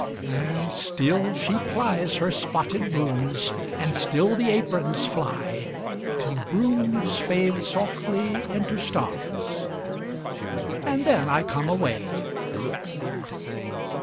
And still she plies her spotted brooms, And still the aprons fly, Till brooms fade softly into stars And then I come away.